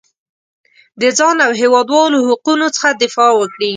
د ځان او هېوادوالو حقونو څخه دفاع وکړي.